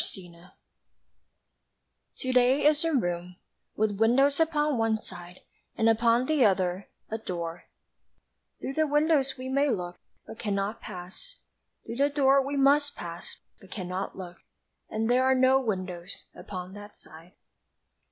To Day TO DAY is a room With windows upon one side And upon the other A door Through the windows we may look But cannot pass; Through the door we must pass But cannot look, And there are no windows Upon that side.